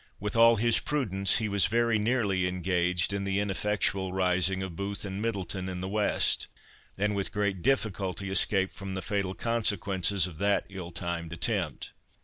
With all his prudence he was very nearly engaged in the ineffectual rising of Booth and Middleton in the west, and with great difficulty escaped from the fatal consequences of that ill timed attempt.